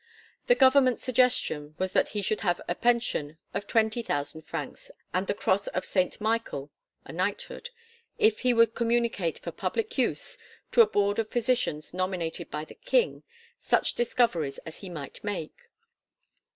The Government suggestion was that he should have a pension of twenty thousand francs and the Cross of Saint Michael (Knighthood) if he would communicate for public use, to a board of physicians nominated by the King, such discoveries as he might make.